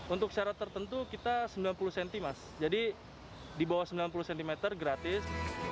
untuk syarat tertentu kita sembilan puluh cm mas